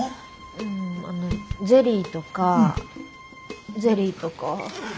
うんあのゼリーとかゼリーとか。